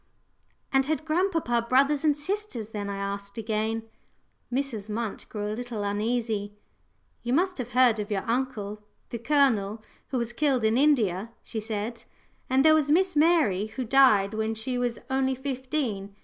"And had grandpapa brothers and sisters, then?" I asked again. Mrs. Munt grew a little uneasy. "You must have heard of your uncle, the Colonel, who was killed in India," she said. "And there was Miss Mary, who died when she was only fifteen.